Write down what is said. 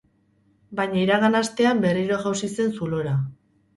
Baina iragan astean berriro jausi zen zulora.